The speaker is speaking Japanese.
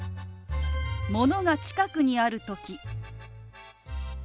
ものが近くにある時。